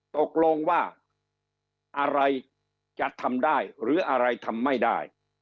ตกลงว่าอะไรจะทำได้หรืออะไรทำไม่ได้